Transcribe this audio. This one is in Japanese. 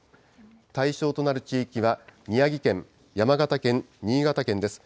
対象となる地域は宮城県、山形県、新潟県です。